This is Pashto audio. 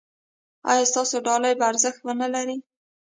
ایا ستاسو ډالۍ به ارزښت و نه لري؟